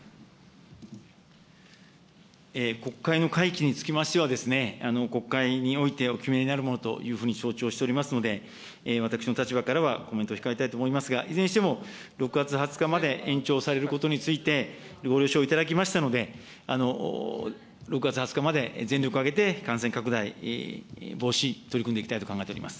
国会の会期につきましては、国会においてお決めになるものというふうに承知をしておりますので、私の立場からはコメントを控えたいと思いますが、いずれにしても６月２０日まで延長されることについて、ご了承いただきましたので、６月２０日まで全力を挙げて感染拡大防止、取り組んでいきたいというふうに考えております。